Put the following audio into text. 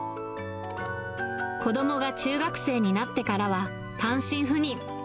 子どもが中学生になってからは、単身赴任。